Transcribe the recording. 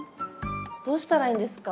どうしたらいいんですか？